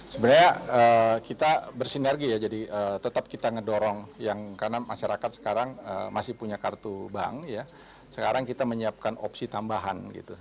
sebenarnya kita bersinergi ya jadi tetap kita ngedorong yang karena masyarakat sekarang masih punya kartu bank sekarang kita menyiapkan opsi tambahan gitu